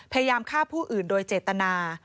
พยายามฆ่าผู้อื่นโดยเจตนา